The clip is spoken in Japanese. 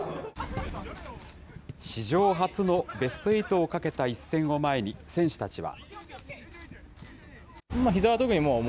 史上初のベスト８をかけた一戦を前に、選手たちは。